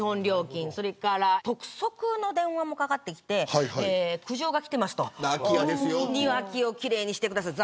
それから督促の電話もかかってきて苦情がきています、と。